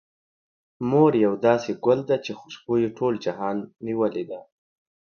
مور يو داسې ګل ده، چې خوشبو يې ټول جهان نيولې ده.